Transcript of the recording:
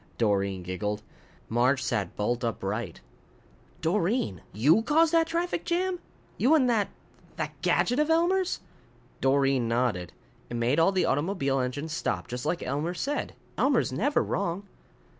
Doreen giggled. Marge sat bolt upright. "Doreen! You caused that traffic jam? You and that that gadget of Elmer's?" Doreen nodded. "It made all the automobile engines stop, just like Elmer said. Elmer's never wrong."